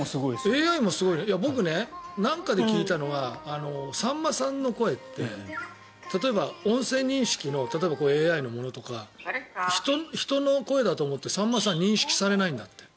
僕、何かで聞いたのはさんまさんの声って例えば音声認識のＡＩのものとか人の声だと思ってさんまさんは認識されないんだって。